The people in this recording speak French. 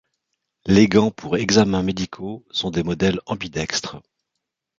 Les gants pour examens médicaux sont des modèles ambidextres.